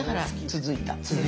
続いた。